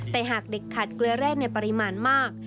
แต่หากเด็กขัดเกลือแร่ในปริมาณมาก